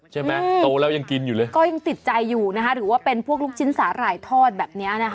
โตแล้วยังกินอยู่เลยก็ยังติดใจอยู่นะคะหรือว่าเป็นพวกลูกชิ้นสาหร่ายทอดแบบนี้นะคะ